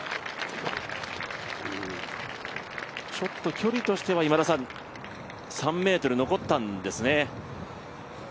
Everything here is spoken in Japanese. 距離としては３ｍ残ったんですね。